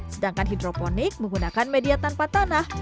sedangkan hidroponik menggunakan media tanpa tanah